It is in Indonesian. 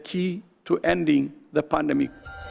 kunci untuk mengakhiri pandemi